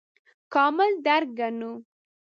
کامل درک ګڼو.